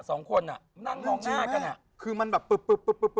นั่งมองหน้ากันอ่ะนั่งจริงแม่คือมันแบบปุ๊บ